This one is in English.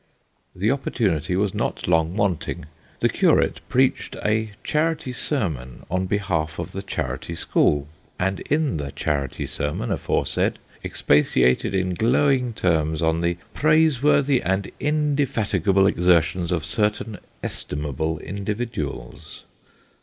The opportunity was not long wanting. The curate preached a charity sermon on behalf of the charity school, and in the charity sermon aforesaid, expatiated in glowing terms on the praiseworthy and indefatigable exertions of certain estimable individuals.